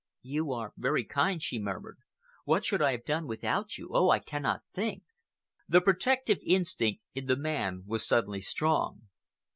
"You are very kind," she murmured. "What should I have done without you? Oh, I cannot think!" The protective instinct in the man was suddenly strong.